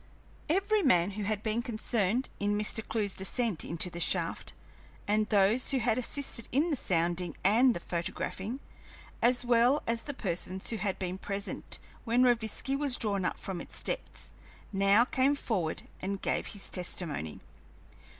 Every man who had been concerned in Mr. Clewe's descent into the shaft, and those who had assisted in the sounding and the photographing, as well as the persons who had been present when Rovinski was drawn up from its depths, now came forward and gave his testimony.